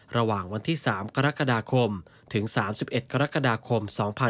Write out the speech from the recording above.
ระหว่างวันที่๓กรกฎาคมถึง๓๑กรกฎาคม๒๕๖๒